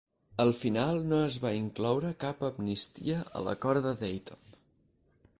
Al final, no es va incloure cap amnistia a l'Acord de Dayton.